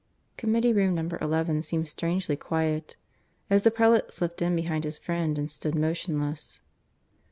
Committee room number XI seemed strangely quiet, as the prelate slipped in behind his friend and stood motionless.